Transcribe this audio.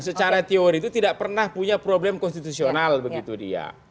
secara teori itu tidak pernah punya problem konstitusional begitu dia